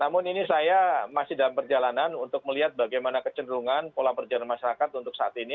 namun ini saya masih dalam perjalanan untuk melihat bagaimana kecenderungan pola perjalanan masyarakat untuk saat ini